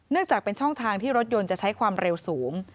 จากเป็นช่องทางที่รถยนต์จะใช้ความเร็วสูง